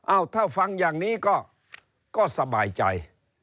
ถ้าฟังอย่างนี้ก็สบายใจ